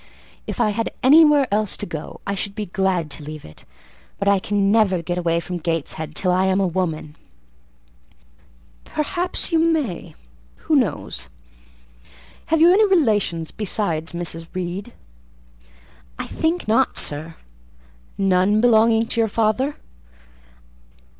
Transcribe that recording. "If I had anywhere else to go, I should be glad to leave it; but I can never get away from Gateshead till I am a woman." "Perhaps you may—who knows? Have you any relations besides Mrs. Reed?" "I think not, sir." "None belonging to your father?"